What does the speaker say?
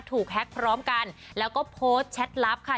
แฮ็กพร้อมกันแล้วก็โพสต์แชทลับค่ะ